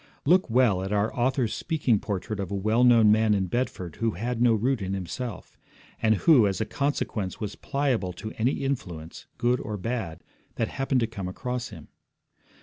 Look well at our author's speaking portrait of a well known man in Bedford who had no root in himself, and who, as a consequence, was pliable to any influence, good or bad, that happened to come across him.